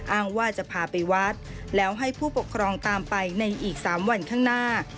อ้างว่าจะพาไปวัดแล้วให้ผู้ปกครองตามไปในอีก๓วันข้างหน้า